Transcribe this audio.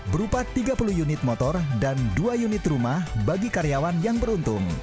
berupa tiga puluh unit motor dan dua unit rumah bagi karyawan yang beruntung